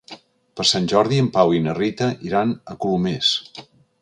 Per Sant Jordi en Pau i na Rita iran a Colomers.